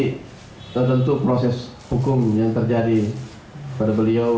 tentu proses hukum yang terjadi pada beliau